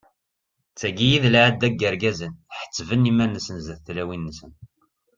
D tagi i d lɛada n yirgazen, ḥessben iman-nsen sdat n tlawin-nsen.